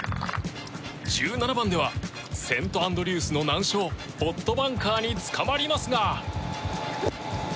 １７番ではセントアンドリュースの難所ポットバンカーにつかまりますが。